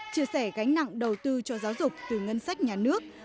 chia sẻ gánh nặng đầu tư cho giáo dục từ ngân sách nhà nước